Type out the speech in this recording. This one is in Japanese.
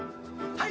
はい！